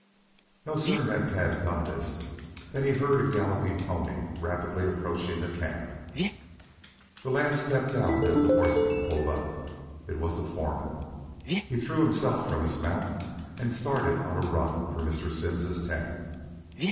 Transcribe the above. No sooner had Tad done this than he heard a galloping pony rapidly approaching the camp. The lad stepped out as the horseman pulled up. It was the foreman. He threw himself from his mount and started on a run for Mr. Simms's tent.